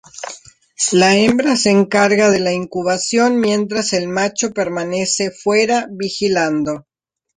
La hembra se encarga de la incubación mientras el macho permanece fuera vigilando.